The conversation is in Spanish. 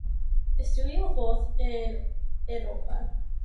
Estudió voz en Europa.